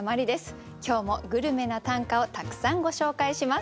今日もグルメな短歌をたくさんご紹介します。